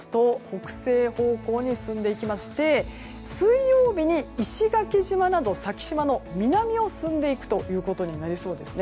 北西方向に進んでいきまして水曜日に石垣島など先島の南を進んでいくことになりそうです。